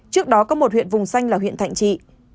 trước đó có một huyện vùng xanh là huyện thạnh trị